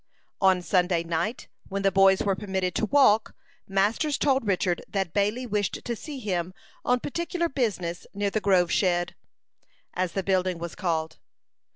On Sunday night, when the boys were permitted to walk, Masters told Richard that Bailey wished to see him on particular business near the Grove shed, as the building was called.